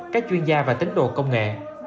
các chuyên gia và tính đồ công nghệ